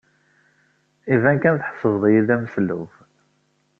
Iban kan tḥesbed-iyi d ameslub.